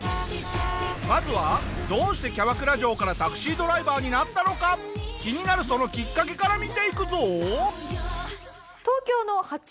まずはどうしてキャバクラ嬢からタクシードライバーになったのか気になるそのきっかけから見ていくぞ。